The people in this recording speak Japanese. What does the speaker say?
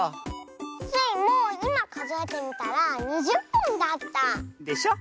スイもいまかぞえてみたら２０ぽんだった。でしょ。